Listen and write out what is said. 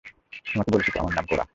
তোমাকে বলেছি তো, আমার নাম কোডা।